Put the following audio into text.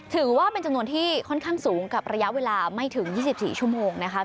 ถือว่าเป็นจำนวนที่ค่อนข้างสูงกับระยะเวลาไม่ถึง๒๔ชั่วโมงนะคะ